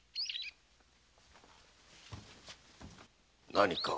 何か？